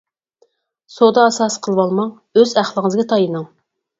سودا ئاساسى قىلىۋالماڭ، ئۆز ئەقلىڭىزگە تايىنىڭ.